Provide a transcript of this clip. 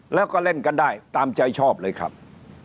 แล้วก็เล่นกันได้ตามใจชอบเลยครับ